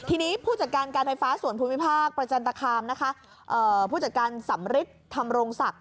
ทีนี้ผู้จัดการการไฟฟ้าส่วนภูมิภาคประจันตคามนะคะผู้จัดการสำริทธรรมรงศักดิ์